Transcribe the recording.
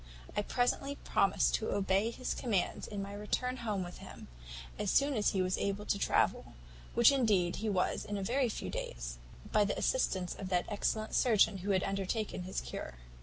I presently promised to obey his commands in my return home with him, as soon as he was able to travel, which indeed he was in a very few days, by the assistance of that excellent surgeon who had undertaken his cure.